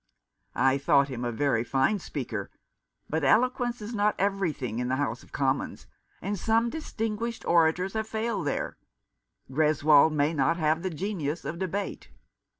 " I thought him a very fine speaker ; but elo quence is not everything in the House of Commons, and some distinguished orators have failed there. Greswold may not have the genius of debate."